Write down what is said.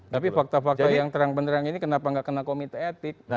tapi fakta fakta yang terang beneran ini kenapa enggak kena komit etik